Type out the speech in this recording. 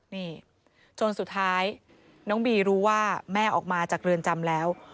นี่จนสุดท้ายน้องบีรู้ว่าแม่ออกมาจากเรือนจำแล้ว